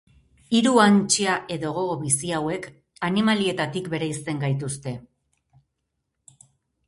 Hiru antsia edo gogo bizi hauek animalietatik bereizten gaituzte.